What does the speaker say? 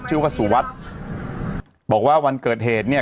ชื่อว่าสุวัสดิ์บอกว่าวันเกิดเหตุเนี่ย